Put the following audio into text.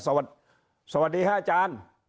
สวัสดีค่ะอาจารย์